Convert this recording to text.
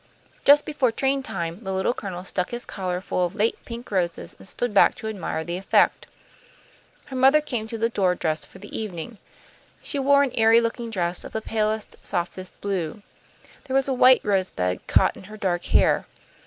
Just before train time, the Little Colonel stuck his collar full of late pink roses, and stood back to admire the effect. Her mother came to the door, dressed for the evening. She wore an airy looking dress of the palest, softest blue. There was a white rosebud caught in her dark hair.